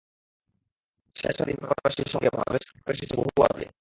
আশায় আশায় দিন পার করা সেই সময়কে বাংলাদেশ পার করে এসেছে বহু আগে।